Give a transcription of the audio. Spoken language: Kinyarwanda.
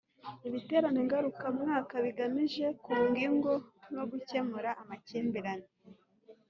Ibiterane ngarukamwaka bigamije kunga ingo no gukemura amakimbirane